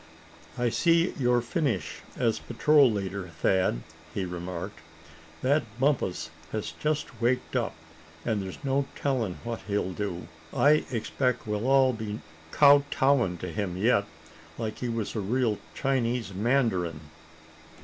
"I see your finish as patrol leader, Thad," he remarked. "That Bumpus has just waked up, and there's no telling what he'll do. I expect we'll all be kowtowing to him yet, like he was a real Chinese mandarin."